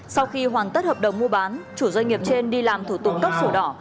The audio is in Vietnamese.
sau khi hoàn tất hợp đồng mua bán chủ doanh nghiệp trên đi làm thủ tục cấp sổ đỏ